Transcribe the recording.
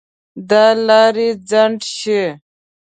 د لارې خنډ شي.